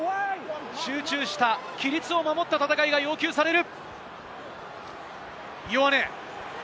集中した規律を守った戦いが要求される。